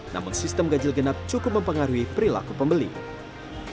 namun sistem ganjil genap cukup mempengaruhi perilaku pembeli